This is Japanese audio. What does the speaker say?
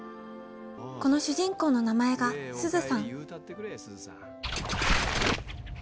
この主人公の名前がすずさん。